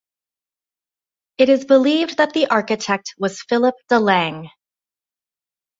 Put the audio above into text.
It is believed that the architect was Philip de Lange.